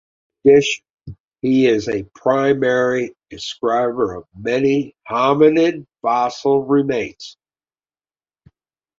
In addition, he is a primary describer of many hominid fossil remains.